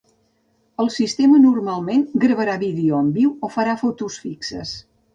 El sistema normalment gravarà vídeo en viu o farà fotos fixes.